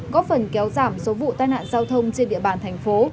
có phần kéo giảm số vụ tai nạn giao thông trên địa bàn thành phố